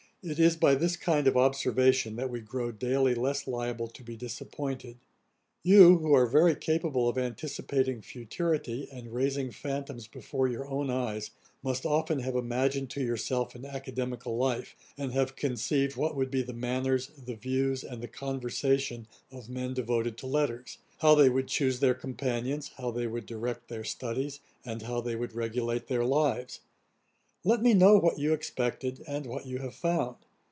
It is by this kind of observation that we grow daily less liable to be disappointed. You, who are very capable of anticipating futurity, and raising phantoms before your own eyes, must often have imagined to yourself an academical life, and have conceived what would be the manners, the views, and the conversation, of men devoted to letters; how they would choose their companions, how they would direct their studies, and how they would regulate their lives. Let me know what you expected, and what you have found.